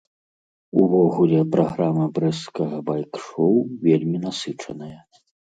Увогуле праграма брэсцкага байк-шоў вельмі насычаная.